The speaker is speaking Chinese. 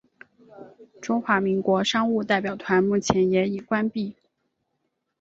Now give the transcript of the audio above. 中华民国商务代表团目前也已关闭。